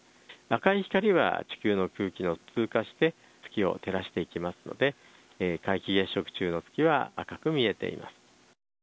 赤い光は地球の空気を通過して月を照らしていきますので皆既月食中の月は赤く見えています。